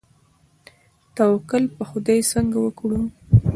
توکل په خدای څنګه وکړو؟